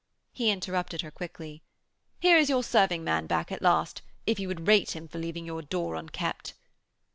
He interrupted her quickly. 'Here is your serving man back at last if you would rate him for leaving your door unkept.'